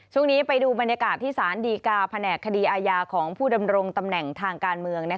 ช่วงนี้ไปดูบรรยากาศที่สารดีกาแผนกคดีอาญาของผู้ดำรงตำแหน่งทางการเมือง